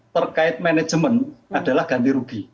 terkait manajemen adalah ganti rugi